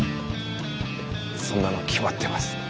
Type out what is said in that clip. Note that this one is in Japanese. そんなの決まってます。